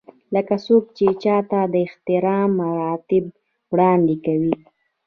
لکه څوک چې چاته د احترام مراتب وړاندې کوي.